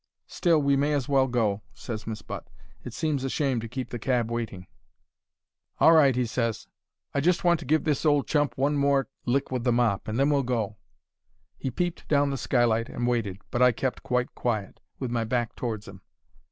"'Still, we may as well go,' ses Miss Butt. 'It seems a shame to keep the cab waiting.' "'All right,' he ses. 'I just want to give this old chump one more lick with the mop and then we'll go.' "He peeped down the skylight and waited, but I kept quite quiet, with my back towards 'im.